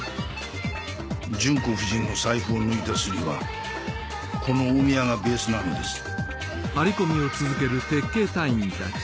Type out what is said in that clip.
純子夫人の財布を抜いたスリはこの大宮がベースなのです現れました。